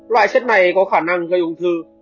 loại chất này có khả năng gây ung thư